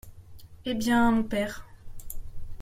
Eh bien, mon père ?